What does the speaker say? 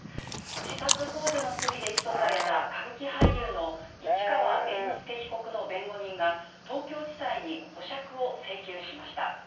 自殺ほう助の罪で起訴された、歌舞伎俳優の市川猿之助被告の弁護人が、東京地裁に保釈を請求しました。